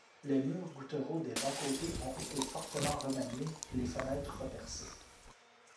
Les murs gouttereaux des bas-côtés ont été fortement remaniés, et les fenêtres repercées.